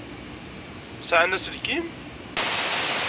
Sεan aselkim?